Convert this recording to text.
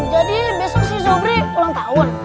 jadi besok si sobri ulang tahun